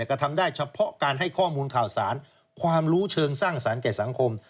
ก็ทำได้เฉพาะการให้ข้อมูลข่าวสารความรู้เชิงสร้างสรรค์แก่สังคม